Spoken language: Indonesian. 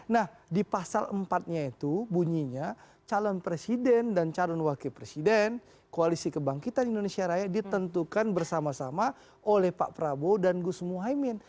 nah di pasal empat nya itu bunyinya calon presiden dan calon wakil presiden koalisi kebangkitan indonesia raya ditentukan bersama sama oleh pak prabowo dan gus muhaymin